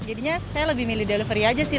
jadinya saya lebih milih delivery aja sih